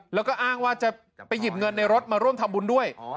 แล้วก็อ้างว่าจะไปหยิบเงินในรถมาร่วมทำบุญด้วย